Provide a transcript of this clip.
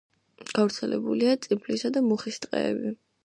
გავრცელებულია წიფლისა და მუხის ტყეები.